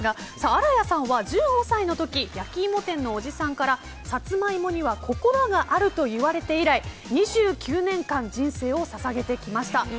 新谷さんは１５歳の時焼き芋店のおじさんからサツマイモには心があると言われて以来２９年間、人生を捧げてきました。